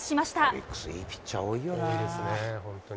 オリックス、いいピッチャー多いですね、本当に。